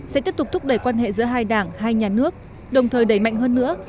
sẽ tiếp tục thúc đẩy quan hệ giữa hai đảng hai nhà nước đồng thời đẩy mạnh hơn nữa